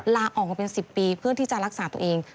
ลาออกมาเป็น๑๐ปีเพื่อที่จะรักษาตัวเอง